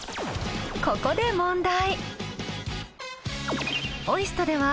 ここで問題。